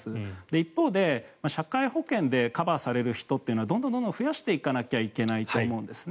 一方で、社会保険でカバーされる人っていうのはどんどん増やしていかなきゃいけないと思うんですね。